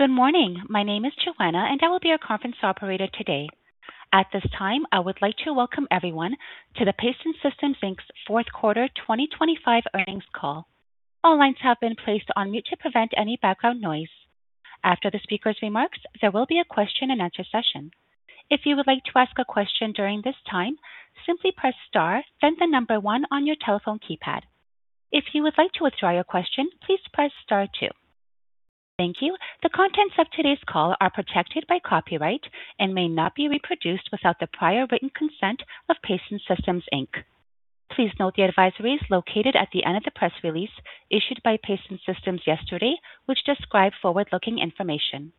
Good morning. My name is Joanna, and I will be your conference operator today. At this time, I would like to welcome everyone to the Pason Systems Inc.'s fourth quarter, 2025 earnings call. All lines have been placed on mute to prevent any background noise. After the speaker's remarks, there will be a question and answer session. If you would like to ask a question during this time, simply press star 1 on your telephone keypad. If you would like to withdraw your question, please press star 2. Thank you. The contents of today's call are protected by copyright and may not be reproduced without the prior written consent of Pason Systems Inc. Please note the advisories located at the end of the press release issued by Pason Systems yesterday, which describe forward-looking information.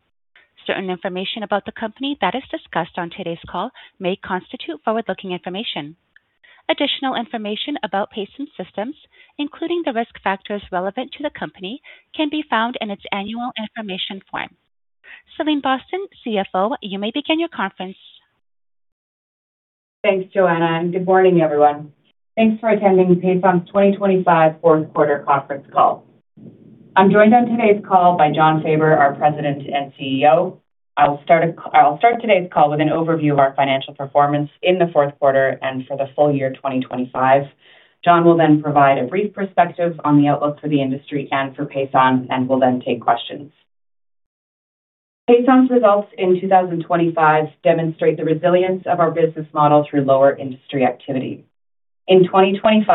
Certain information about the company that is discussed on today's call may constitute forward-looking information. Additional information about Pason Systems, including the risk factors relevant to the company, can be found in its Annual Information Form. Celine Boston, CFO, you may begin your conference. Thanks, Joanna. Good morning, everyone. Thanks for attending Pason's 2025 fourth quarter conference call. I'm joined on today's call by Jon Faber, our President and CEO. I'll start today's call with an overview of our financial performance in the fourth quarter and for the full year, 2025. Jon will then provide a brief perspective on the outlook for the industry and for Pason and will then take questions. Pason's results in 2025 demonstrate the resilience of our business model through lower industry activity. In 2025,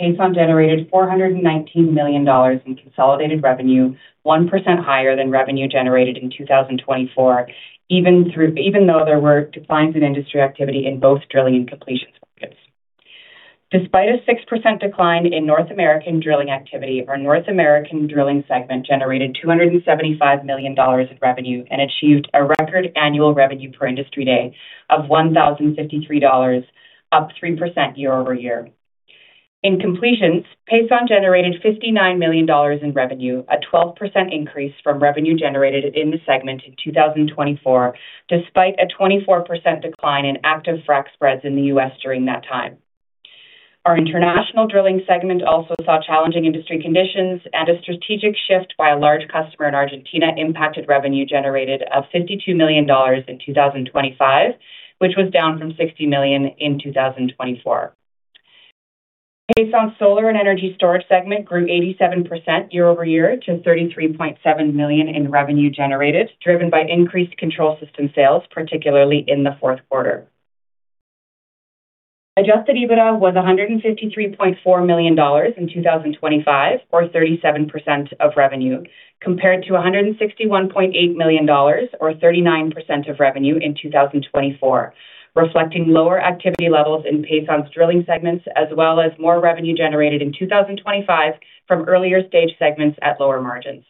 Pason generated 419 million dollars in consolidated revenue, 1% higher than revenue generated in 2024, even though there were declines in industry activity in both drilling and Completions markets. Despite a 6% decline in North American drilling activity, our North American Drilling segment generated $275 million of revenue and achieved a record annual Revenue per Industry Day of $1,053, up 3% year-over-year. In completions, Pason generated $59 million in revenue, a 12% increase from revenue generated in the segment in 2024, despite a 24% decline in active frack spreads in the US during that time. Our International Drilling segment also saw challenging industry conditions and a strategic shift by a large customer in Argentina impacted revenue generated of $52 million in 2025, which was down from $60 million in 2024. Pason's Solar and Energy Storage segment grew 87% year-over-year to 33.7 million in revenue generated, driven by increased control system sales, particularly in the fourth quarter. Adjusted EBITDA was 153.4 million dollars in 2025, or 37% of revenue, compared to 161.8 million dollars, or 39% of revenue in 2024, reflecting lower activity levels in Pason's drilling segments, as well as more revenue generated in 2025 from earlier-stage segments at lower margins.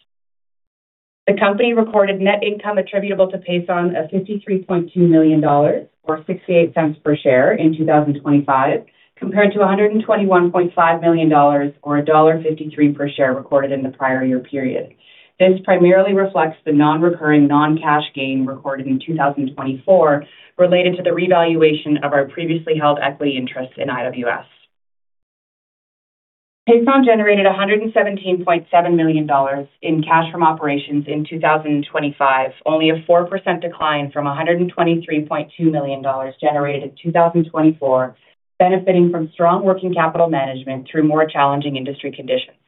The company recorded net income attributable to Pason of 53.2 million dollars, or 0.68 per share in 2025, compared to 121.5 million dollars, or dollar 1.53 per share recorded in the prior year period. This primarily reflects the non-recurring, non-cash gain recorded in 2024 related to the revaluation of our previously held equity interest in IWS. Pason generated 117.7 million dollars in cash from operations in 2025, only a 4% decline from 123.2 million dollars generated in 2024, benefiting from strong working capital management through more challenging industry conditions.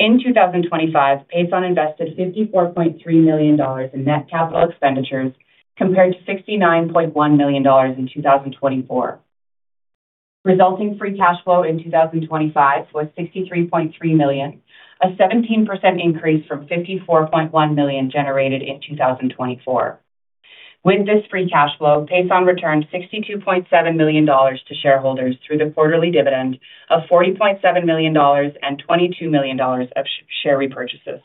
In 2025, Pason invested CAD 54.3 million in net capital expenditures, compared to CAD 69.1 million in 2024. Resulting free cash flow in 2025 was 63.3 million, a 17% increase from 54.1 million generated in 2024. With this free cash flow, Pason returned 62.7 million dollars to shareholders through the quarterly dividend of 40.7 million dollars and 22 million dollars of share repurchases,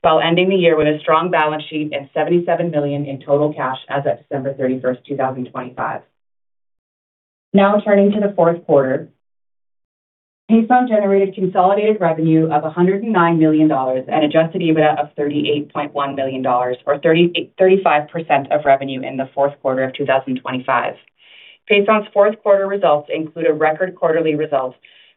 while ending the year with a strong balance sheet and 77 million in total cash as of December 31, 2025. Turning to the fourth quarter. Pason generated consolidated revenue of 109 million dollars and Adjusted EBITDA of 38.1 million dollars, or 35% of revenue in the fourth quarter of 2025. Pason's fourth quarter results include a record quarterly result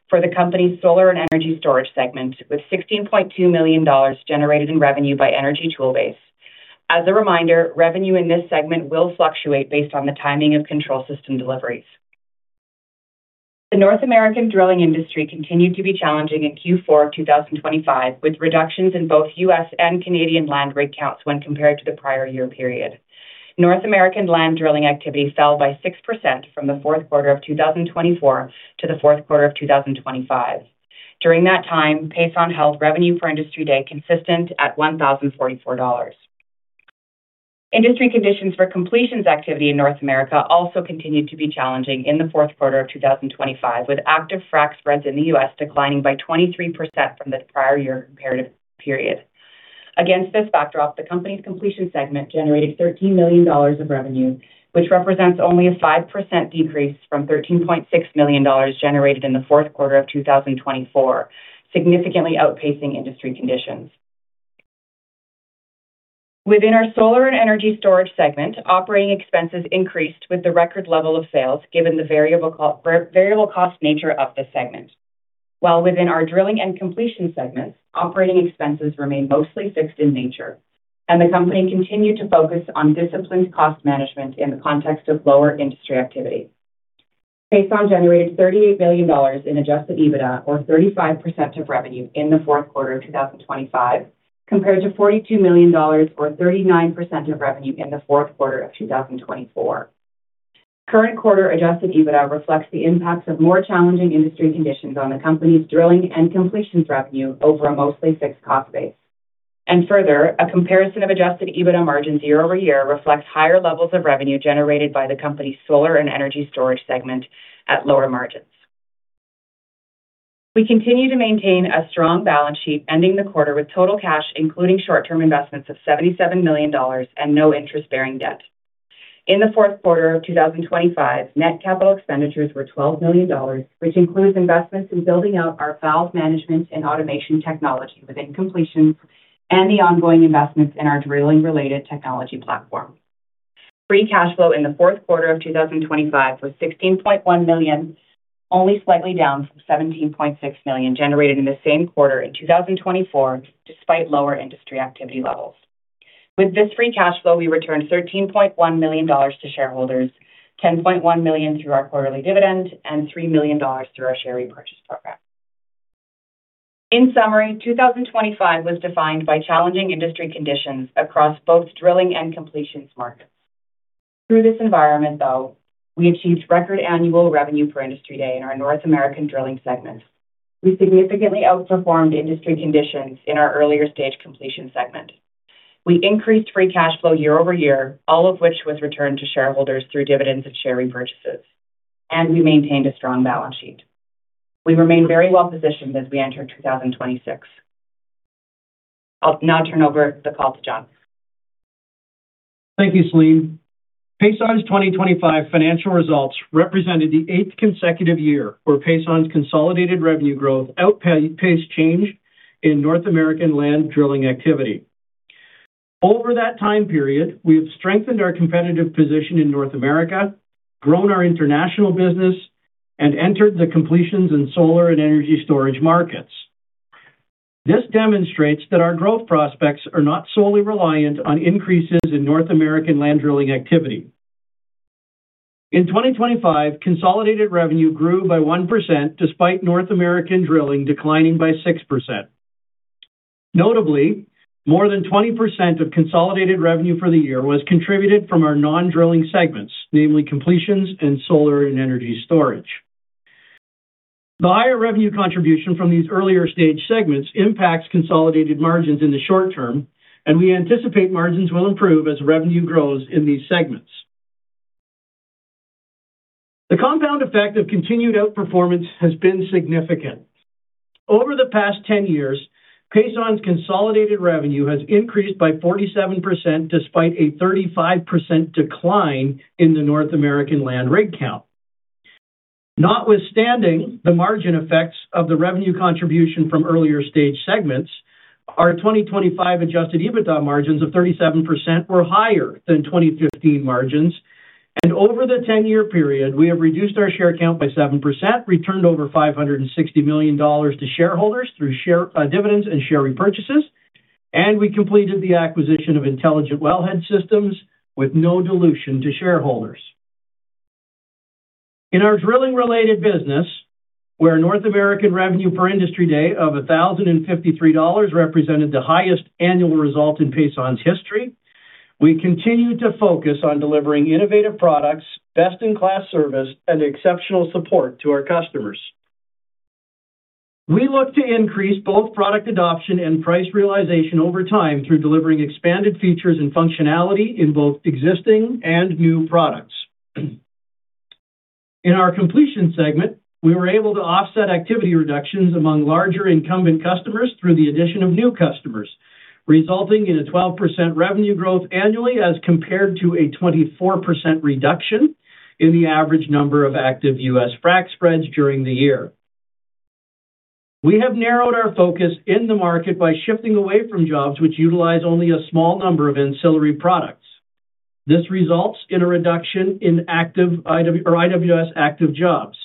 for the company's Solar and Energy Storage segment, with 16.2 million dollars generated in revenue by Energy Toolbase. As a reminder, revenue in this segment will fluctuate based on the timing of control system deliveries. The North American drilling industry continued to be challenging in Q4 of 2025, with reductions in both U.S. and Canadian land rig counts when compared to the prior year period. North American land drilling activity fell by 6% from the fourth quarter of 2024 to the fourth quarter of 2025. During that time, Pason held revenue for industry day consistent at $1,044. Industry conditions for completions activity in North America also continued to be challenging in the fourth quarter of 2025, with active frack spreads in the U.S. declining by 23% from the prior year comparative period. Against this backdrop, the company's Completions segment generated 13 million dollars of revenue, which represents only a 5% decrease from 13.6 million dollars generated in the fourth quarter of 2024, significantly outpacing industry conditions. Within our Solar and Energy Storage segment, operating expenses increased with the record level of sales given the variable cost nature of this segment. Within our drilling and completion segments, operating expenses remain mostly fixed in nature, and the company continued to focus on disciplined cost management in the context of lower industry activity. Pason generated 38 million dollars in Adjusted EBITDA, or 35% of revenue, in the fourth quarter of 2025, compared to CAD 42 million or 39% of revenue in the fourth quarter of 2024. Current quarter Adjusted EBITDA reflects the impacts of more challenging industry conditions on the company's drilling and completions revenue over a mostly fixed cost base. Further, a comparison of Adjusted EBITDA margins year-over-year reflects higher levels of revenue generated by the company's Solar and Energy Storage segment at lower margins. We continue to maintain a strong balance sheet, ending the quarter with total cash, including short-term investments, of 77 million dollars and no interest-bearing debt. In the fourth quarter of 2025, net capital expenditures were 12 million dollars, which includes investments in building out our valve management and automation technology within completions and the ongoing investments in our drilling-related technology platform. Free cash flow in the fourth quarter of 2025 was 16.1 million, only slightly down from 17.6 million generated in the same quarter in 2024, despite lower industry activity levels. With this free cash flow, we returned 13.1 million dollars to shareholders, 10.1 million through our quarterly dividend and 3 million dollars through our share repurchase program. In summary, 2025 was defined by challenging industry conditions across both drilling and Completions markets. Through this environment, though, we achieved record annual Revenue per Industry Day in our North American Drilling segment. We significantly outperformed industry conditions in our earlier stage Completions segment. We increased free cash flow year-over-year, all of which was returned to shareholders through dividends and share repurchases, we maintained a strong balance sheet. We remain very well positioned as we enter 2026. I'll now turn over the call to Jon. Thank you, Celine. Pason's 2025 financial results represented the eighth consecutive year where Pason's consolidated revenue growth outpaced change in North American land drilling activity. Over that time period, we have strengthened our competitive position in North America, grown our international business, and entered the Completions and Solar and Energy Storage markets. This demonstrates that our growth prospects are not solely reliant on increases in North American land drilling activity. In 2025, consolidated revenue grew by 1%, despite North American drilling declining by 6%. Notably, more than 20% of consolidated revenue for the year was contributed from our non-drilling segments, namely Completions and Solar and Energy Storage. The higher revenue contribution from these earlier-stage segments impacts consolidated margins in the short term, and we anticipate margins will improve as revenue grows in these segments. The compound effect of continued outperformance has been significant. Over the past 10 years, Pason's consolidated revenue has increased by 47%, despite a 35% decline in the North American land rig count. Notwithstanding the margin effects of the revenue contribution from earlier stage segments, our 2025 Adjusted EBITDA margins of 37% were higher than 2015 margins, and over the 10-year period, we have reduced our share count by 7%, returned over $560 million to shareholders through share, dividends and share repurchases, and we completed the acquisition of Intelligent Wellhead Systems with no dilution to shareholders. In our drilling-related business, where North American Revenue per Industry Day of $1,053 represented the highest annual result in Pason's history, we continue to focus on delivering innovative products, best-in-class service, and exceptional support to our customers. We look to increase both product adoption and price realization over time through delivering expanded features and functionality in both existing and new products. In our Completions segment, we were able to offset activity reductions among larger incumbent customers through the addition of new customers, resulting in a 12% revenue growth annually, as compared to a 24% reduction in the average number of active U.S. frac spreads during the year. We have narrowed our focus in the market by shifting away from jobs which utilize only a small number of ancillary products. This results in a reduction in active IWS or IWS active jobs.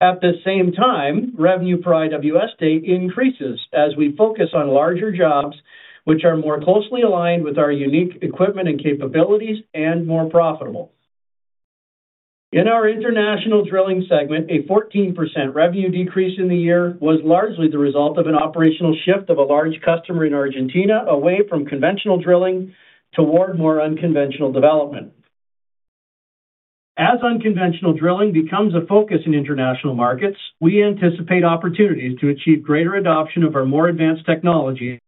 At the same time, revenue per IWS Day increases as we focus on larger jobs, which are more closely aligned with our unique equipment and capabilities and more profitable. In our International Drilling segment, a 14% revenue decrease in the year was largely the result of an operational shift of a large customer in Argentina away from conventional drilling toward more unconventional development. As unconventional drilling becomes a focus in international markets, we anticipate opportunities to achieve greater adoption of our more advanced technologies,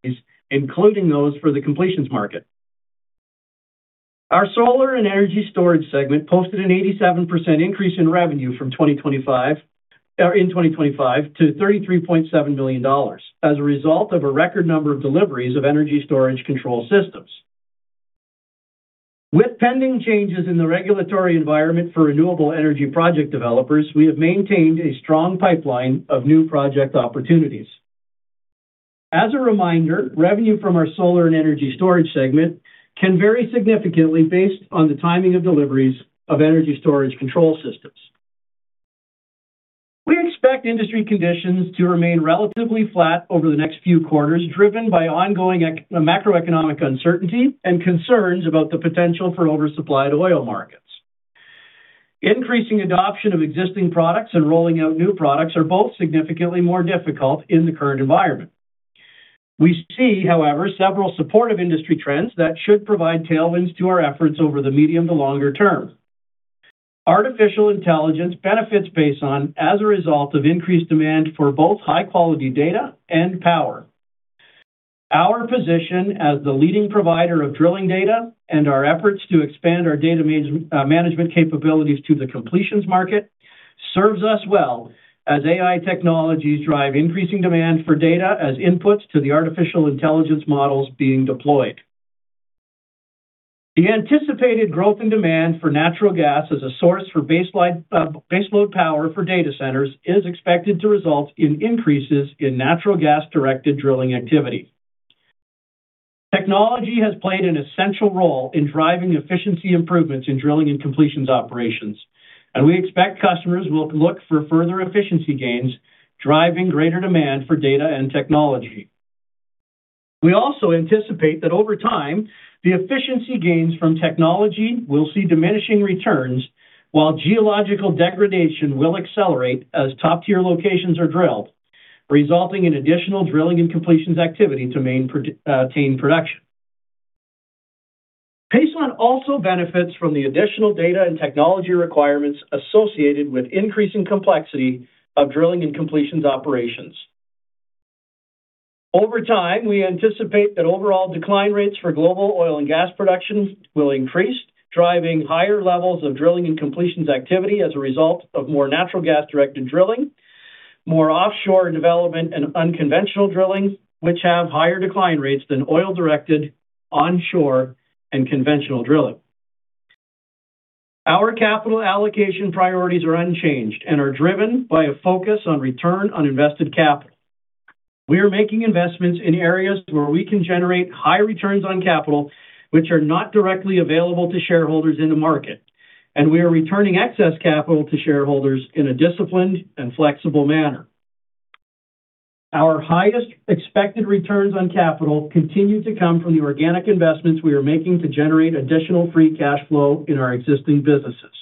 including those for the completions market. Our Solar and Energy Storage segment posted an 87% increase in revenue from 2025, or in 2025 to 33.7 million dollars, as a result of a record number of deliveries of energy storage control systems. With pending changes in the regulatory environment for renewable energy project developers, we have maintained a strong pipeline of new project opportunities. As a reminder, revenue from our Solar and Energy Storage segment can vary significantly based on the timing of deliveries of energy storage control systems. We expect industry conditions to remain relatively flat over the next few quarters, driven by ongoing macroeconomic uncertainty and concerns about the potential for oversupplied oil markets. Increasing adoption of existing products and rolling out new products are both significantly more difficult in the current environment. We see, however, several supportive industry trends that should provide tailwinds to our efforts over the medium to longer term. Artificial intelligence benefits as a result of increased demand for both high-quality data and power. Our position as the leading provider of drilling data and our efforts to expand our data management capabilities to the completions market serves us well as AI technologies drive increasing demand for data as inputs to the Artificial intelligence models being deployed. The anticipated growth in demand for natural gas as a source for baseload power for data centers is expected to result in increases in natural gas-directed drilling activity. Technology has played an essential role in driving efficiency improvements in drilling and completions operations. We expect customers will look for further efficiency gains, driving greater demand for data and technology. We also anticipate that over time, the efficiency gains from technology will see diminishing returns, while geological degradation will accelerate as top-tier locations are drilled, resulting in additional drilling and completions activity to maintain production. Pason also benefits from the additional data and technology requirements associated with increasing complexity of drilling and completions operations. Over time, we anticipate that overall decline rates for global oil and gas production will increase, driving higher levels of drilling and completions activity as a result of more natural gas-directed drilling, more offshore development and unconventional drilling, which have higher decline rates than oil-directed, onshore, and conventional drilling. Our capital allocation priorities are unchanged and are driven by a focus on return on invested capital. We are making investments in areas where we can generate high returns on capital, which are not directly available to shareholders in the market, and we are returning excess capital to shareholders in a disciplined and flexible manner. Our highest expected returns on capital continue to come from the organic investments we are making to generate additional free cash flow in our existing businesses.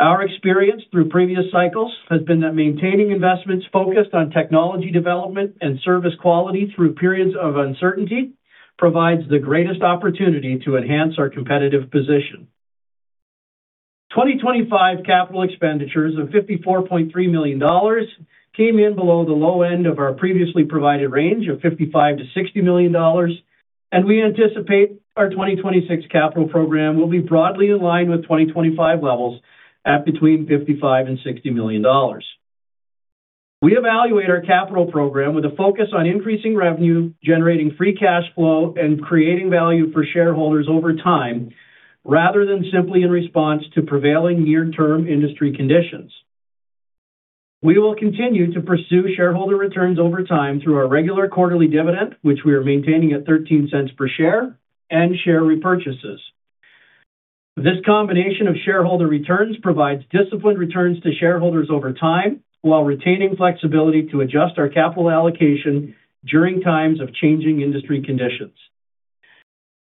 Our experience through previous cycles has been that maintaining investments focused on technology development and service quality through periods of uncertainty provides the greatest opportunity to enhance our competitive position. 2025 capital expenditures of 54.3 million dollars came in below the low end of our previously provided range of 55 million-60 million dollars. We anticipate our 2026 capital program will be broadly in line with 2025 levels at between 55 million and 60 million dollars. We evaluate our capital program with a focus on increasing revenue, generating free cash flow, and creating value for shareholders over time, rather than simply in response to prevailing near-term industry conditions. We will continue to pursue shareholder returns over time through our regular quarterly dividend, which we are maintaining at 0.13 per share repurchases. This combination of shareholder returns provides disciplined returns to shareholders over time, while retaining flexibility to adjust our capital allocation during times of changing industry conditions.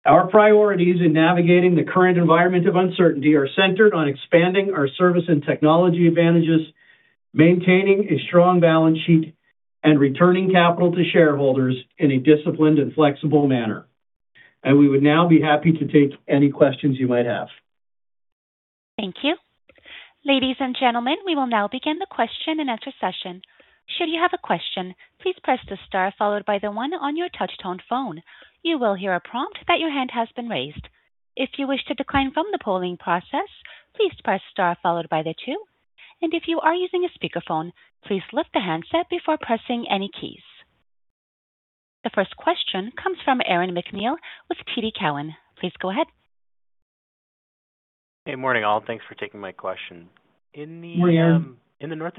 Our priorities in navigating the current environment of uncertainty are centered on expanding our service and technology advantages, maintaining a strong balance sheet, and returning capital to shareholders in a disciplined and flexible manner. We would now be happy to take any questions you might have. Thank you. Ladies and gentlemen, we will now begin the question and answer session. Should you have a question, please press the star followed by the 1 on your touchtone phone. You will hear a prompt that your hand has been raised. If you wish to decline from the polling process, please press star followed by the 2. If you are using a speakerphone, please lift the handset before pressing any keys. The first question comes from Aaron MacNeil with TD Cowen. Please go ahead. Hey, morning, all. Thanks for taking my question. Good morning. Morning. In the North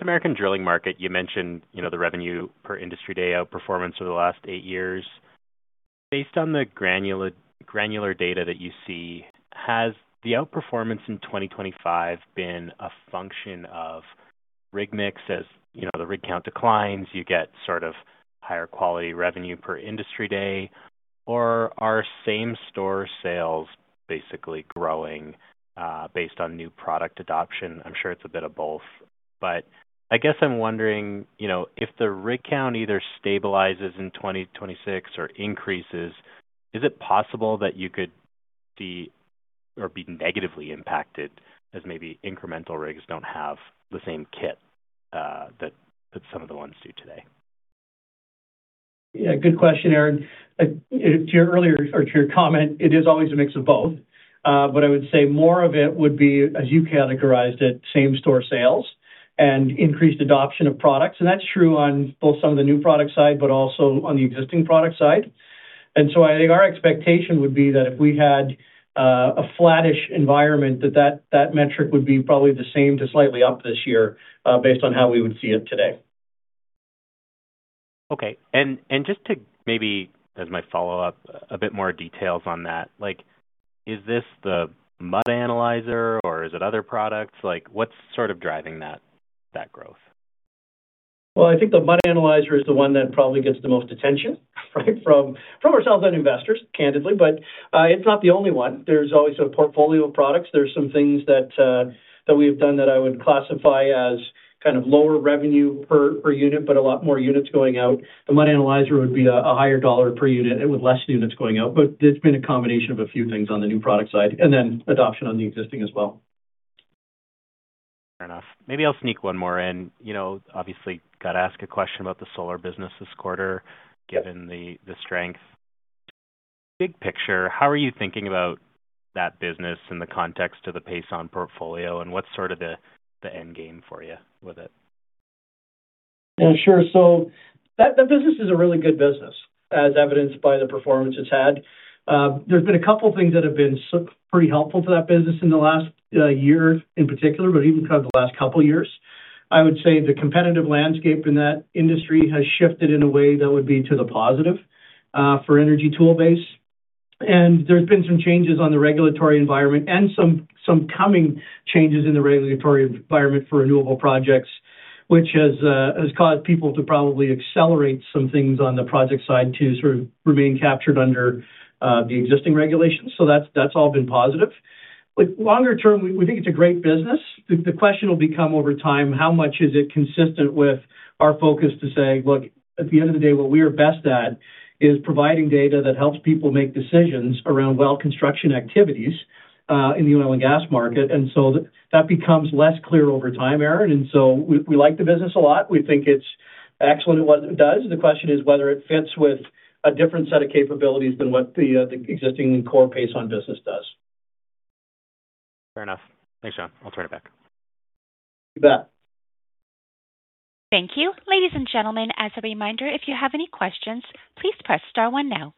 American Drilling market, you mentioned, you know, the Revenue per Industry Day outperformance for the last 8 years. Based on the granular data that you see, has the outperformance in 2025 been a function of rig mix, as you know, the rig count declines, you get sort of higher quality Revenue per Industry Day? Are same-store sales basically growing based on new product adoption? I guess I'm wondering, you know, if the rig count either stabilizes in 2026 or increases, is it possible that you could see or be negatively impacted as maybe incremental rigs don't have the same kit that some of the ones do today? Yeah, good question, Aaron. To your earlier or to your comment, it is always a mix of both. I would say more of it would be, as you categorized it, same-store sales and increased adoption of products. That's true on both some of the new product side, but also on the existing product side. I think our expectation would be that if we had, a flattish environment, that metric would be probably the same to slightly up this year, based on how we would see it today. Okay. Just to maybe as my follow-up, a bit more details on that, like, is this the Mud Analyzer or is it other products? Like, what's sort of driving that growth? Well, I think the Mud Analyzer is the one that probably gets the most attention, right, from ourselves and investors, candidly. It's not the only one. There's always a portfolio of products. There's some things that we've done that I would classify as kind of lower revenue per unit, but a lot more units going out. The Mud Analyzer would be the, a higher dollar per unit with less units going out, but it's been a combination of a few things on the new product side and then adoption on the existing as well. Fair enough. Maybe I'll sneak one more in. You know, obviously, gotta ask a question about the solar business this quarter, given the strength. Big picture, how are you thinking about that business in the context of the Pason portfolio, and what's sort of the end game for you with it? Yeah, sure. That business is a really good business, as evidenced by the performance it's had. There's been a couple things that have been pretty helpful to that business in the last year in particular, but even kind of the last couple years. I would say the competitive landscape in that industry has shifted in a way that would be to the positive for Energy Toolbase. There's been some changes on the regulatory environment and some coming changes in the regulatory environment for renewable projects, which has caused people to probably accelerate some things on the project side to sort of remain captured under the existing regulations. That's all been positive. Longer term, we think it's a great business. The question will become over time, how much is it consistent with our focus to say, look, at the end of the day, what we are best at is providing data that helps people make decisions around well construction activities in the oil and gas market. That becomes less clear over time, Aaron. We like the business a lot. We think it's excellent at what it does. The question is whether it fits with a different set of capabilities than what the existing core Pason business does. Fair enough. Thanks, Jon. I'll turn it back. You bet. Thank you. Ladies and gentlemen, as a reminder, if you have any questions, please press star one now.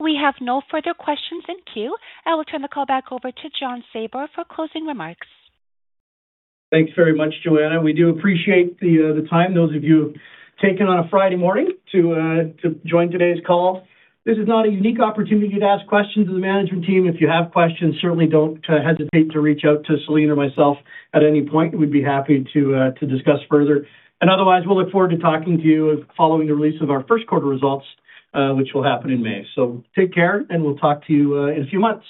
We have no further questions in queue. I will turn the call back over to Jon Faber for closing remarks. Thanks very much, Joanna. We do appreciate the time those of you taken on a Friday morning to join today's call. This is not a unique opportunity to ask questions of the management team. If you have questions, certainly don't hesitate to reach out to Celine or myself at any point. We'd be happy to discuss further. Otherwise, we'll look forward to talking to you following the release of our first quarter results, which will happen in May. Take care, and we'll talk to you in a few months.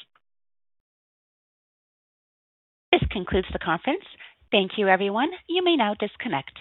This concludes the conference. Thank you, everyone. You may now disconnect.